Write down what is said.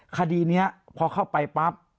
คดีนี้พอเข้าไปปั๊บ